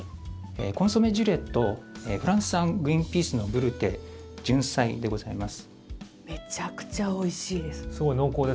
コンソメジュレとフランス産グリンピースのヴルテジュンサイでございます。